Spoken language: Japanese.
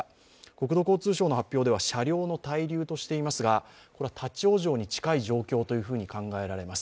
国土交通省の発表では車両の滞留としていますが立往生に近い状況と考えられます。